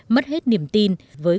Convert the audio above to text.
mất hết niềm tin